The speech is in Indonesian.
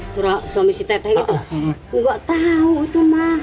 surah suami si tetang itu enggak tahu itu mah